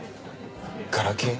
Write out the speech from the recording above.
ガラケー？